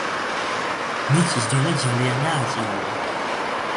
მიწის დონე ძალიანაა აწეული.